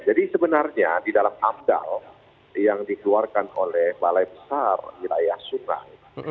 jadi sebenarnya di dalam amdal yang dikeluarkan oleh balai besar wilayah sungai